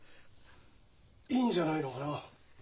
いいんじゃないのかなあ。